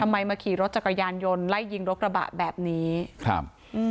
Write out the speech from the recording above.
มาขี่รถจักรยานยนต์ไล่ยิงรถกระบะแบบนี้ครับอืม